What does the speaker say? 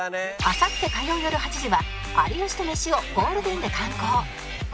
あさって火曜よる８時は有吉とメシをゴールデンで敢行